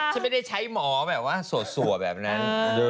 ฉันไม่ได้ใช้หมอแบบว่าสัวแบบนั้น